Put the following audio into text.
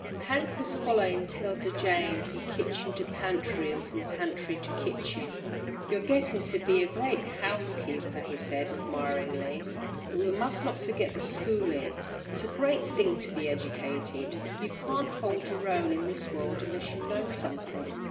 Hank was following 'Tilda Jane from kitchen to pantry, and from pantry to kitchen. "You're getting to be a great housekeeper," he said, admiringly; "but we must not forget the schooling. It's a great thing to be educated. You can't hold your own in this world unless you know something.